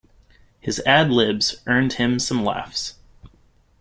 His ad-libs earned him some laughs.